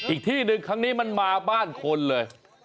อีกที่หนึ่งครั้งนี้มันมาบ้านคนเลย